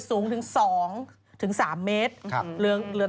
สูงถึง๒๓เมตร